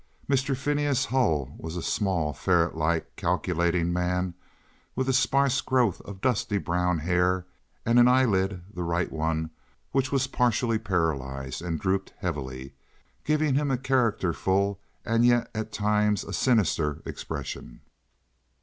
Mr. Phineas Hull was a small, ferret like, calculating man with a sparse growth of dusty brown hair and an eyelid, the right one, which was partially paralyzed and drooped heavily, giving him a characterful and yet at times a sinister expression.